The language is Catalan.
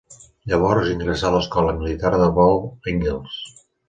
Llavors, ingressà a l'Escola Militar de Vol Engels.